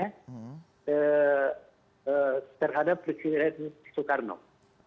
terhadap presiden soekarno